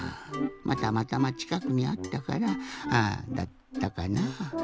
まぁたまたまちかくにあったからだったかな？